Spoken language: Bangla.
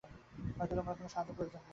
হয়তো তোমার কোনো সাহায্যের প্রয়োজন নেই!